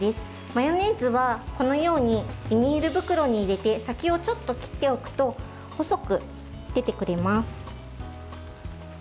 マヨネーズはこのようにビニール袋に入れて先をちょっと切っておくと細く出てくれます。